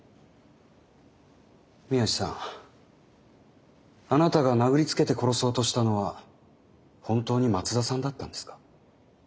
宮地さんあなたが殴りつけて殺そうとしたのは本当に松田さんだったんですか？